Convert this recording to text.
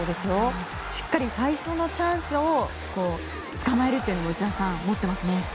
しっかり最初のチャンスをつかまえるのも内田さん、持っていますね。